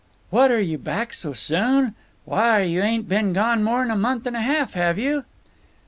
"What, are you back so soon? Why, you ain't been gone more than a month and a half, have you?"